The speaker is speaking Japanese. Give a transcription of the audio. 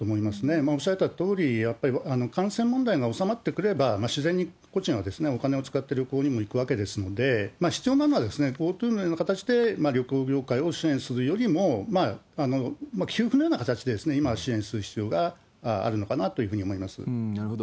もうおっしゃったとおりに、やっぱり感染問題が収まってくれば、自然にお金を使って旅行にも行くわけですので、必要なのは、ＧｏＴｏのような形で旅行業者を支援するよりも、給付のような形で今は支援する必要があるのかなというふうに思いなるほど。